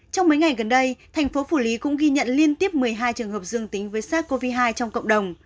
trong mấy ngày gần đây thành phố phủ lý cũng ghi nhận liên tiếp một mươi hai trường hợp dương tính với sars cov hai trong cộng đồng